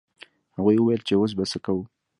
هغوی وویل چې اوس به څه کوو.